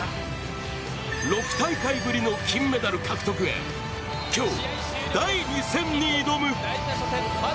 ６大会ぶりの金メダル獲得へ今日、第２戦に挑む。